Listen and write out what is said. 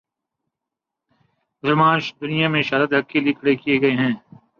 مسلمان دنیا میں شہادت حق کے لیے کھڑے کیے گئے ہیں۔